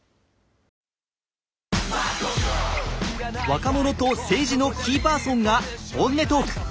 若者と政治のキーパーソンが本音トーク。